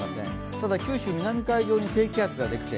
ただ九州南海上に低気圧ができて